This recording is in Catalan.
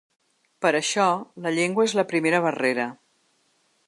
Per això, la llengua és la primera barrera.